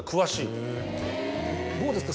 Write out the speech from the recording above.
どうですか？